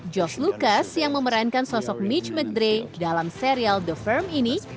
job lucas yang memerankan sosok mitch mcdray dalam serial the firm ini